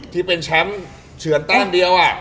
ที่เป็นแชมป์เฉือนตั้งเดียวอ่ะ